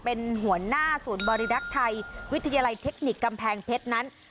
เป็นหัวหน้าศูนย์บริรักษ์ไทยวิทยาลัยเทคนิคกำแพงเพชรนั้น